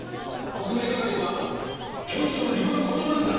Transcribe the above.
特命係は警視庁の陸の孤島なんだ。